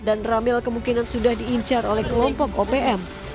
dan ramil kemungkinan sudah diincar oleh kelompok opm